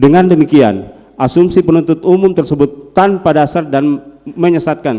dengan demikian asumsi penuntut umum tersebut tanpa dasar dan menyesatkan